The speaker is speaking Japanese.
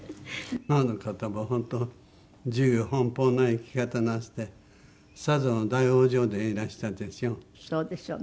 あの方も本当自由奔放な生き方なすってさぞ大往生でいらしたでしょう。